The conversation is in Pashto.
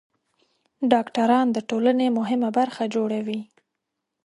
ډاکټران د ټولنې مهمه برخه جوړوي.